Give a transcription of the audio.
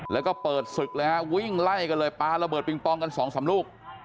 แล้วก็เปิดศึกเลยฮะวิ่งไล่กันเลยปลาระเบิดปิงปองกันสองสามลูก